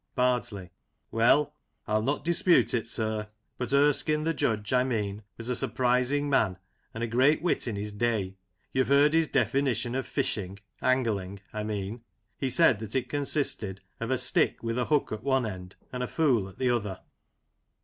Bardsley : Well, I'll not dispute it, sir, but Erskine, the judge, I mean, was a surprising man, and a great wit in his day. YouVe heard his definition of fishing — angling, I mean — he said that it consisted of " a stick with a hook at one end and a fool at the other."